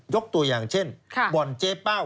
ตัวอย่างเช่นบ่อนเจ๊เป้า